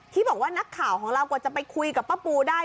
ที่บอกว่านักข่าวของเรากว่าจะไปคุยกับป้าปูได้